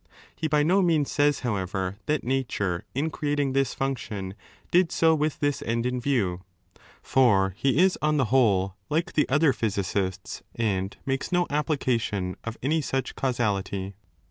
He by no means says, however, that nature in creating 4720 this function did so with this end in view. For he is, on the whole, like the other physicists^ and makes no application of any such causality.